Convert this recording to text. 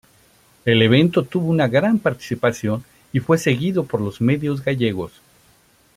El evento tuvo una gran participación y fue seguido por los medios gallegos.